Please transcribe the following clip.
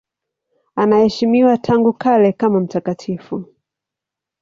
Anaheshimiwa tangu kale kama mtakatifu.